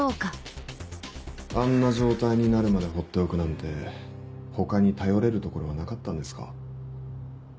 あんな状態になるまで放っておくなんて他に頼れる所はなかったんですか？